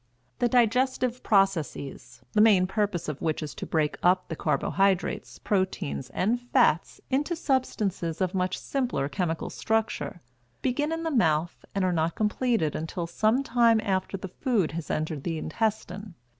The digestive processes, the main purpose of which is to break up the carbohydrates, proteins, and fats into substances of much simpler chemical structure, begin in the mouth and are not completed until some time after the food has entered the intestine.